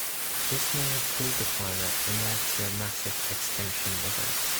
This may have cooled the climate and led to a massive extinction event.